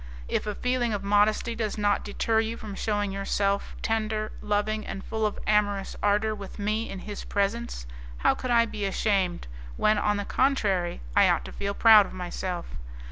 If a feeling of modesty does not deter you from shewing yourself tender, loving, and full of amorous ardour with me in his presence, how could I be ashamed, when, on the contrary, I ought to feel proud of myself?